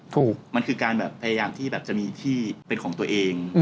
ถูกมันคือการแบบพยายามที่แบบจะมีที่เป็นของตัวเอง